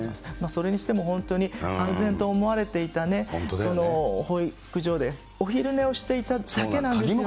それにしても、本当に安全と思われていたね、保育所で、お昼寝をしていただけなんですよ。